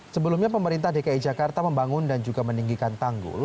sebelumnya pemerintah dki jakarta membangun dan juga meninggikan tanggul